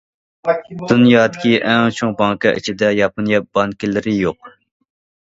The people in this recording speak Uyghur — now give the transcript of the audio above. دۇنيادىكى ئون چوڭ بانكا ئىچىدە ياپونىيە بانكىلىرى يوق.